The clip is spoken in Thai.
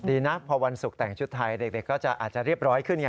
ดีนะพอวันศุกร์แต่งชุดไทยเด็กก็อาจจะเรียบร้อยขึ้นไง